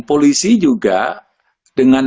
polisi juga dengan